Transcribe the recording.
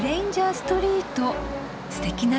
ストリートすてきな通りね。